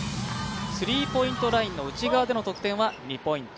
スリーポイントラインの内側での得点は２ポイント。